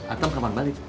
atam kapan balik